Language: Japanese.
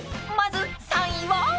［まず３位は？］